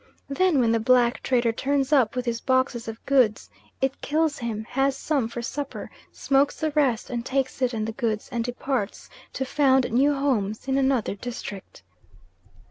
Then when the black trader turns up with his boxes of goods, it kills him, has some for supper, smokes the rest, and takes it and the goods, and departs to found new homes in another district.